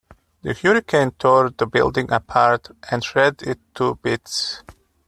The hurricane tore the building apart and shredded it to bits.